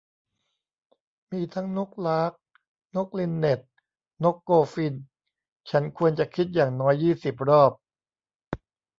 มีทั้งนกลาร์ค นกลินเน็ท นกโกลด์ฟินช์ - ฉันควรจะคิดอย่างน้อยยี่สิบรอบ